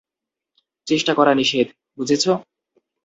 চেষ্টা করা নিষেধ, বুঝেছ?